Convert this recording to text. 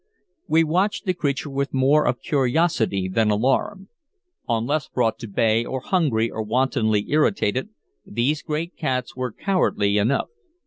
We watched the creature with more of curiosity than alarm. Unless brought to bay, or hungry, or wantonly irritated, these great cats were cowardly enough.